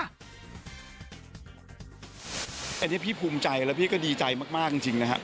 อันนี้พี่ภูมิใจแล้วพี่ก็ดีใจมากจริงนะครับ